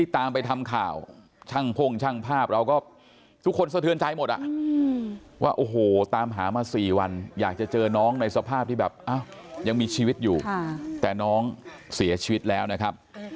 ตามหามา๔วันอยากจะเจอน้องในสภาพที่แบบอ้าวยังมีชีวิตอยู่แต่น้องเสียชีวิตแล้วนะครับ